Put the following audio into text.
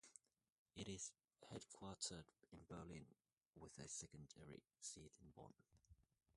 It is headquartered in Berlin with a secondary seat in Bonn.